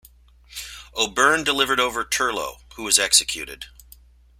O'Byrne delivered over Turlough, who was executed.